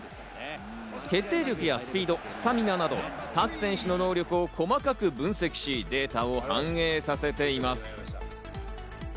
決定力やスピード、スタミナなど、各選手の能力を細かく分析し、データを反映させています。